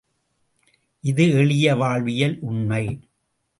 இது எளிய வாழ்வியல் உண்மை.